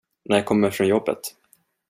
När jag kommer från jobbet.